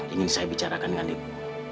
ingin saya bicarakan dengan itu